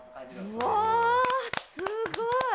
うわすごい！